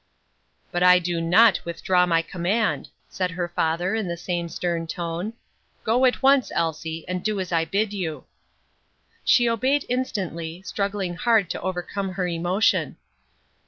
"But I do not withdraw my command," said her father in the same stern tone; "go at once, Elsie, and do as I bid you." She obeyed instantly, struggling hard to overcome her emotion.